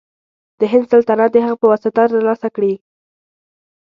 د هند سلطنت د هغه په واسطه تر لاسه کړي.